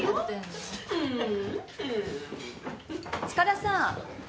塚田さん